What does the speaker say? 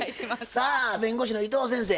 さあ弁護士の伊藤先生